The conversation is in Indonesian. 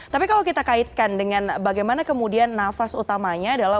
tapi kalau kita kaitkan dengan bagaimana kemudian nafas utamanya adalah